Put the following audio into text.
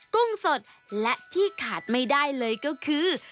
กุ้งสดและที่ขาดไม่ได้เลยก็คือ